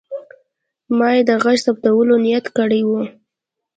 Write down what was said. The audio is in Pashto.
ما یې د غږ ثبتولو نیت کړی و.